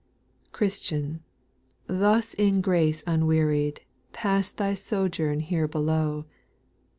9. Christian, thus in grace unwearied, Pass thy sojourn here below.